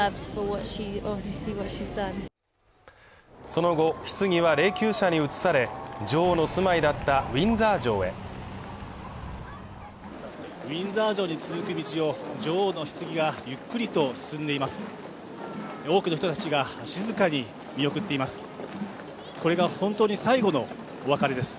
その後棺は霊柩車に移され女王の住まいだったウィンザー城へウィンザー城に続く道を女王の棺がゆっくりと進んでいます多くの人たちが静かに見送っています